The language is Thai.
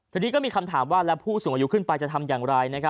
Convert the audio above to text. ทีนี้ก็มีคำถามว่าแล้วผู้สูงอายุขึ้นไปจะทำอย่างไร